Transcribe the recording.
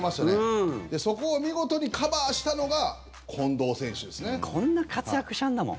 そこを見事にカバーしたのがこんな活躍したんだもん。